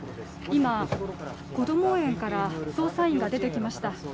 今、こども園から捜査員が出てきました。